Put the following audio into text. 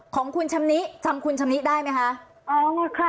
ของขุนชมนี้จำคุณห์ชมนี้ได้ไหมคะ